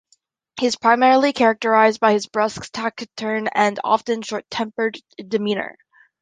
He is primarily characterized by his brusque, taciturn, and often short-tempered demeanor.